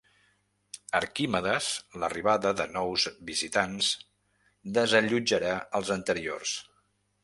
Arquimedes l'arribada de nous visitants desallotjarà els anteriors.